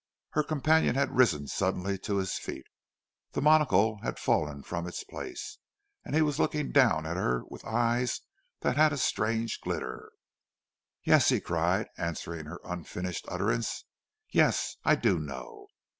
Her companion had risen suddenly to his feet. The monocle had fallen from its place, and he was looking down at her with eyes that had a strange glitter. "Yes," he cried, answering her unfinished utterance. "Yes! I do know.